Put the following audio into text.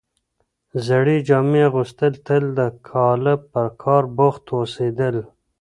زړې جامې اغوستل تل د کاله په کار بوخت هوسېدل،